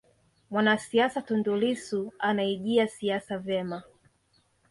mwanasiasa tundu lissu anaijia siasa vyema